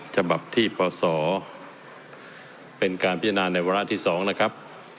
ฉบับที่พศเป็นการพิจารณาในวาระที่๒นะครับ